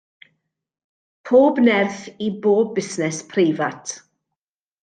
Pob nerth i bob busnes preifat.